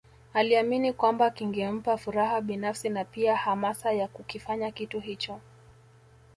Aliamini kwamba kingempa furaha binafsi na pia hamasa ya kukifanya kitu hicho